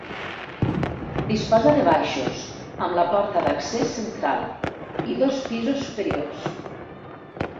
Disposa de baixos, amb la porta d'accés central, i dos pisos superiors.